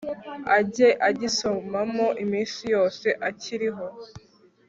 ajye agisomamo iminsi yose akiriho